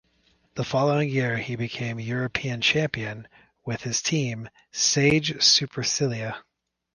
The following year he became European Champion with his team "Sage Supercilia".